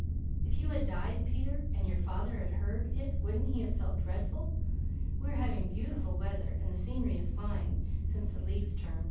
"If you had DIED, Peter, and YOUR FATHER had heard it wouldn't he have FELT DREADFUL? We are having BEAUTIFUL WEATHER and the seenary is fine since the leaves turned.